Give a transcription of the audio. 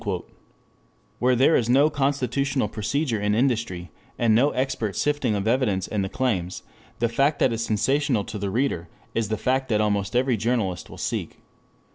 supra_] Where there is no constitutional procedure in industry, and no expert sifting of evidence and the claims, the fact that is sensational to the reader is the fact that almost every journalist will seek.